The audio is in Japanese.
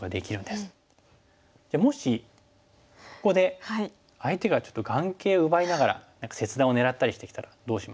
じゃあもしここで相手がちょっと眼形を奪いながら切断を狙ったりしてきたらどうしましょう？